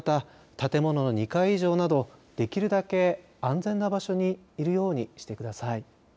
建物の２階以上などできるだけ安全な場所にいるようにしてください。